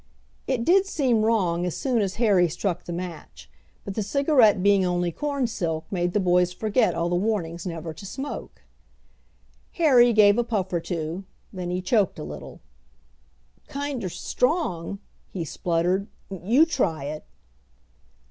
It did seem wrong as soon as Harry struck the match, but the cigarette being only corn silk made the boys forget all the warnings never to smoke. Harry gave a puff or two. Then he choked a little. "Kinder strong," he spluttered. "You try it!"